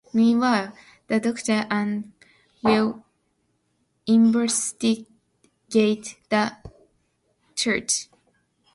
Meanwhile, the Doctor and Will investigate the church.